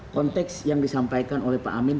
konteks yang disampaikan oleh pak amin